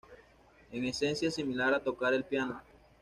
En esencia es similar a tocar el piano.